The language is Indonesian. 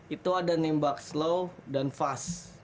itu ada nembak slow dan fast